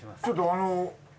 ちょっとあの。